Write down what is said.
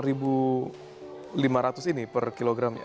rp lima ratus ini per kilogramnya